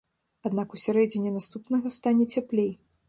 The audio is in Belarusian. Аднак у сярэдзіне наступнага стане цяплей.